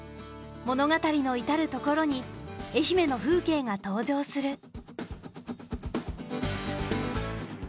物語の至る所に愛媛の風景が登場する。